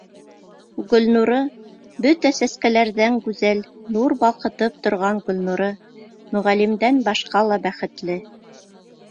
Гөлнуры, бөтә сәскәләрҙән гүзәл, нур балҡытып торған Гөлнуры, Мөғәллимдән башҡа ла бәхетле!